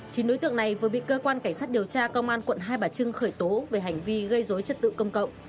chín đối tượng này vừa bị cơ quan cảnh sát điều tra công an quận hai bà trưng khởi tố về hành vi gây dối trật tự công cộng